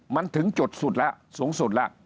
มันถึงจุดสุดแล้วสูงสุดแล้ว